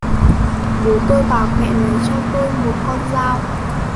Bố tôi bảo mẹ lấy cho tôi một con dao